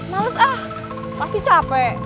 males ah pasti capek